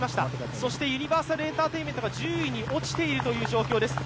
そしてユニバーサルエンターテインメントが１０位に落ちているという状況です。